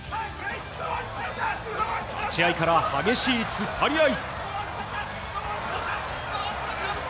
立ち合いから激しい突っ張り合い。